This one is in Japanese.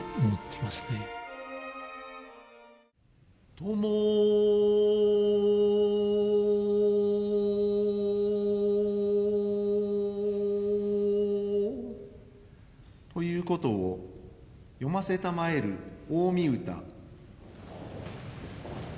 「友」ということを詠ませたまえる大御歌。